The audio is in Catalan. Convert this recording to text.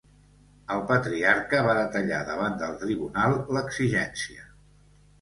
El patriarca va detallar davant del tribunal l'exigència.